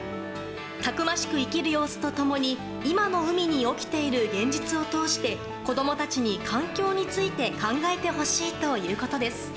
たくましく生きる様子と共に今の海に起きている現実を通して子供たちに環境について考えてほしいということです。